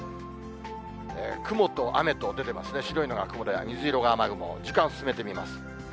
雲と雨と出てますね、白いのが雲で、水色が雨雲、時間進めてみます。